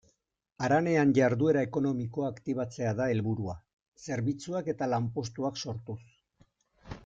Haranean jarduera ekonomikoa aktibatzea da helburua, zerbitzuak eta lanpostuak sortuz.